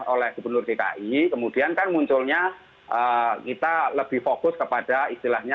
oleh gubernur dki kemudian kan munculnya kita lebih fokus kepada istilahnya